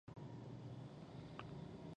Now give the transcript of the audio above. عبدالله دوې پښې په یوه موزه کې اچولي.